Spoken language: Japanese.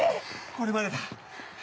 これまでだ。